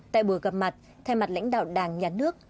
tại buổi gặp mặt thay mặt lãnh đạo đảng nhà nước